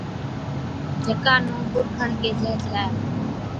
جڪا نُون پُرکَڻ ڪيهجَي ڇَي